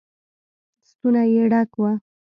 ستونی يې ډک و.